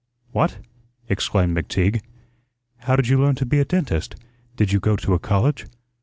What?" exclaimed McTeague. "How did you learn to be a dentist? Did you go to a college?"